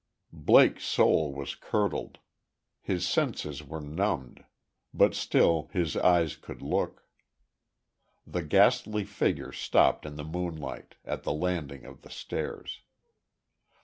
Blake's soul was curdled; his senses were numbed; but still his eyes could look. The ghastly figure stopped in the moonlight, at the landing of the stairs.